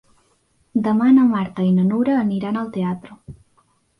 Demà na Marta i na Nura aniran al teatre.